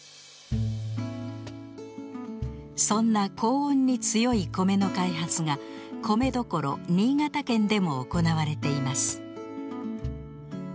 そんな高温に強いコメの開発が米どころ新潟県でも行われています。